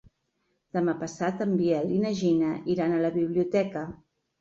Demà passat en Biel i na Gina iran a la biblioteca.